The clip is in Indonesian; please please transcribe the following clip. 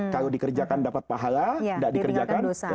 kalau dikerjakan dapat pahala tidak dikerjakan